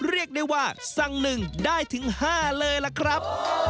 เรียกได้ว่าสั่ง๑ได้ถึง๕เลยล่ะครับ